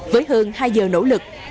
với hơn hai giờ nỗ lực